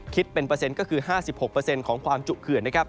คิดเป็นเปอร์เซ็นต์ก็คือ๕๖ของความจุเขื่อนนะครับ